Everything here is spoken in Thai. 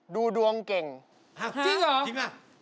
ดูดวงเก่งจริงหรือจริงละ